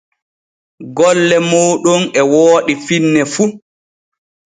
Golle mooɗon e wooɗi finne fu.